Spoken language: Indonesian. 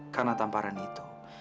karena tamparan itu